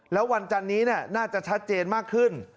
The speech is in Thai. แล้ววันจันนี้น่าจะชัดเจนมากขึ้น